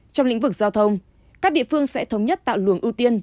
trong lĩnh vực giao thông các địa phương sẽ thống nhất tạo luồng ưu tiên